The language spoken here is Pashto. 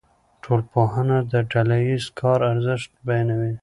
ټولنپوهنه د ډله ایز کار ارزښت بیانوي.